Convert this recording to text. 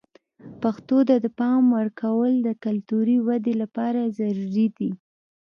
پښتو ته د پام ورکول د کلتوري ودې لپاره ضروري دي.